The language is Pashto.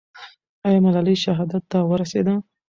آیا ملالۍ شهادت ته ورسېده؟